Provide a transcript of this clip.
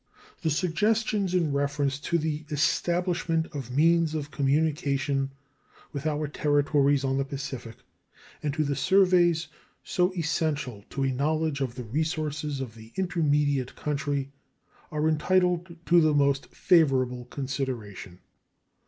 The suggestions in reference to the establishment of means of communication with our territories on the Pacific and to the surveys so essential to a knowledge of the resources of the intermediate country are entitled to the most favorable consideration.